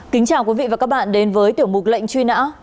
kính chào quý vị và các bạn đến với tiểu mục lệnh truy nã